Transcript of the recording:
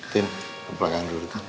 tind ke belakang dulu